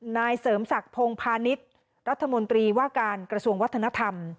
นายเสริมศักดิ์พงพาณิชย์รัฐมนตรีว่าการกระทรวงวัฒนธรรม